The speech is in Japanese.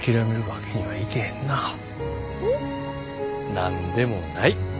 何でもない。